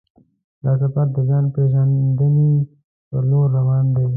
دا سفر د ځان پېژندنې پر لور روان دی.